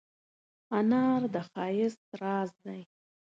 انار د ښایست راز دی.